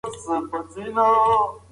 لاس نیول د انسان وقار کموي.